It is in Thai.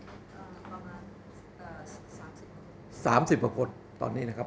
มีนักศึกษาเท่าไหร่ประมาณเท่าไหร่ครับ